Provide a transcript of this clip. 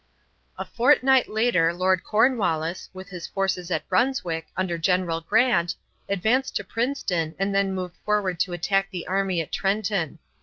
A fortnight later Lord Cornwallis, with the forces at Brunswick, under General Grant, advanced to Princeton and then moved forward to attack the army at Trenton.